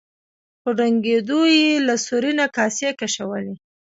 په ډونګیدو یې له سوري نه کاسې کشولې.